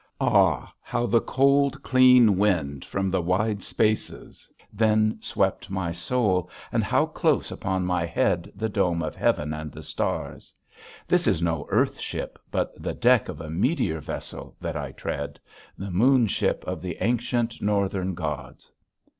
Ah, how the cold, clean wind from the wide spaces then swept my soul, and how close about my head the dome of heaven and the stars! This is no earth ship but the deck of a meteor vessel that I tread, the moon ship of the ancient northern gods.